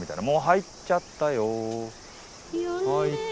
入っちゃったよ。